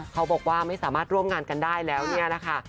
เขาบอกว่าไม่สามารถร่วมงานกันได้แล้วเนี่ยนะคะ